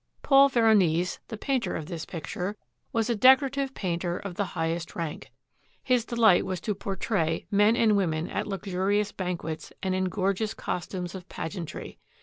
Paul Veronese, the painter of this picture, was a "decora tive painter of the highest rank." His delight was to portray men and women at luxurious banquets and in the gorgeous costumes of pageantry.